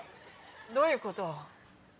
どういうこと？